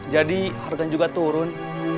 jadi harganya juga turun